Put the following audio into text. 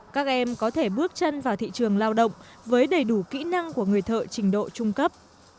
các em có thể bước chân vào thị trường lao động với đầy đủ kỹ năng của người thợ trình độ trung cấp